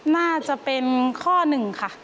น่าจะเป็นข้อหนึ่งค่ะ